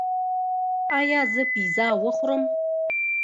ایا زه پیزا وخورم؟